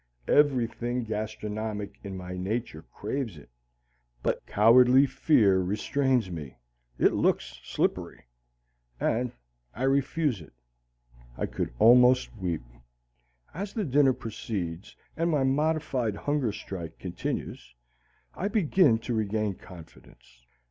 Everything gastronomic in my nature craves it, but cowardly fear restrains me (it looks slippery), and I refuse it. I could almost weep. As the dinner proceeds and my modified hunger strike continues, I begin to regain confidence.